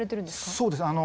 そうですね。